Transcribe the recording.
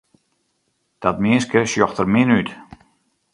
Dat minske sjocht der min út.